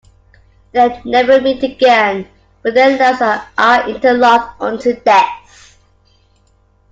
They never meet again, but their lives are interlocked until death.